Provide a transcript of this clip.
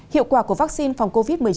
hiệu quả của vaccine phòng covid một mươi chín